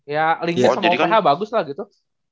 ya linknya sama uph bagus lah gitu